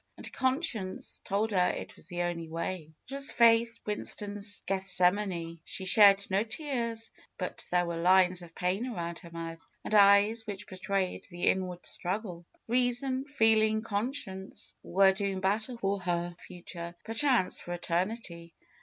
And conscience told her it was the only way. It was Faith Winston's Gethsemane. She shed no tears, hut there were lines of pain around her mouth and eyes which betrayed the inward struggle. Reason, feeling, conscience, were doing battle for her future; perchance for eternity.